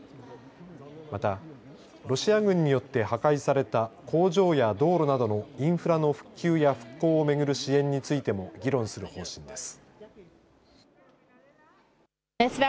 また、ロシア軍によって破壊された工場や道路などのインフラの復旧や復興を巡る支援についても議論する方針です。